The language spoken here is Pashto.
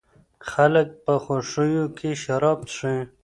خلګ په خوښیو کي شراب څښي.